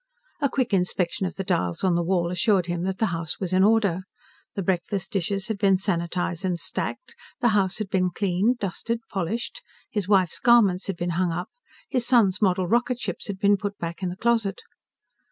A quick inspection of the dials on the wall assured him that the house was in order. The breakfast dishes had been sanitized and stacked, the house had been cleaned, dusted, polished, his wife's garments had been hung up, his son's model rocket ships had been put back in the closet.